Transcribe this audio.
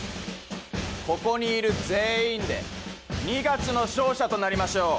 ここにいる全員で二月の勝者となりましょう。